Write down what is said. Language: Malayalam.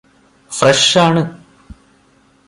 ഫ്രഷ് ആണ്